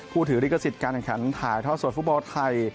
ถือลิขสิทธิ์การแข่งขันถ่ายทอดสดฟุตบอลไทย